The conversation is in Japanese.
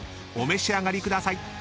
お召し上がりください］